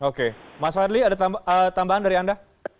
oke mas fadli ada tambahan dari anda